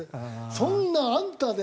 「そんなあんたね